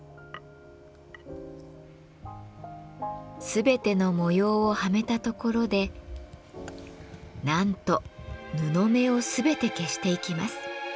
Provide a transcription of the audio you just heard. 全ての模様をはめたところでなんと布目を全て消していきます。